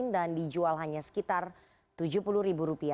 dan dijual hanya sekitar rp tujuh puluh